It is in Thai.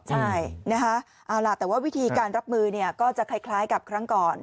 ใช่แต่ว่าวิธีการรับมือก็จะคล้ายกับครั้งก่อน